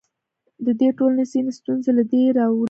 د دې ټولنو ځینې ستونزې له دې راولاړېږي.